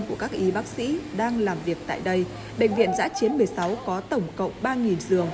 của các y bác sĩ đang làm việc tại đây bệnh viện giã chiến một mươi sáu có tổng cộng ba giường